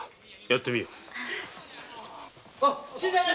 やってみよう。